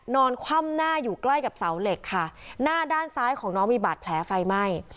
คว่ำหน้าอยู่ใกล้กับเสาเหล็กค่ะหน้าด้านซ้ายของน้องมีบาดแผลไฟไหม้